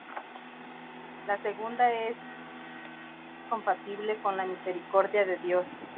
La segunda es si es compatible con la misericordia del Dios.